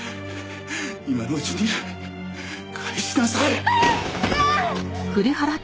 今のうちに返しなさい！